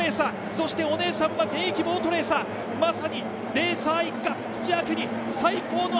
そしてお姉さんは現役ボートレーサー、まさにレーサー一家。